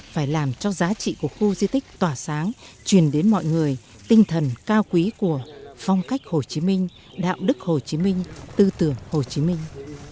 phải làm cho giá trị của khu di tích tỏa sáng truyền đến mọi người tinh thần cao quý của phong cách hồ chí minh đạo đức hồ chí minh tư tưởng hồ chí minh